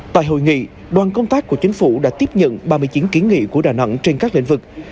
tại hội nghị đoàn công tác của chính phủ đã tiếp nhận ba mươi chín kiến nghị của đà nẵng trên các lĩnh vực